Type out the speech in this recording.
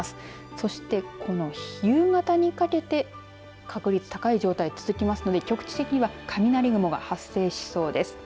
そして、この夕方にかけて確率が高い状態が続くので局地的には雷雲が発生しそうです。